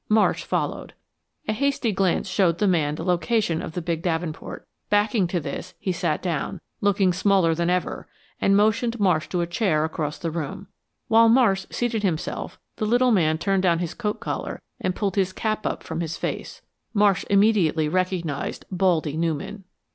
Marsh followed. A hasty glance showed the man the location of the big davenport. Backing to this, he sat down, looking smaller than ever, and motioned Marsh to a chair across the room. While Marsh seated himself the little man turned down his coat collar and pulled his cap up from his face. Marsh immediately recognized "Baldy" Newman.